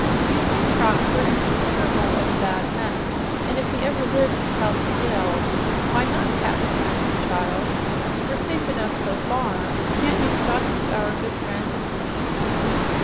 You see, Trot, we're in consider'ble of a bad mess, an' if we ever live to tell the tale " "Why not, Cap'n?" asked the child. "We're safe enough so far. Can't you trust our good friend, the queen?"